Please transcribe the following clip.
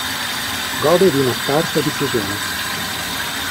Gode di una scarsa diffusione.